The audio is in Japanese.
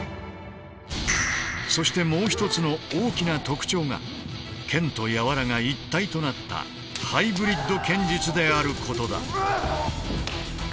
そしてもう一つの大きな特徴が剣と柔が一体となったハイブリッド剣術であることだ。